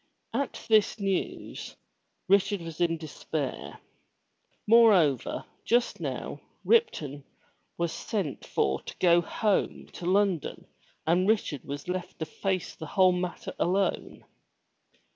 At this news, Richard was in despair. Moreover, just now Ripton was sent for to go home to London and Richard was left to face the whole matter alone.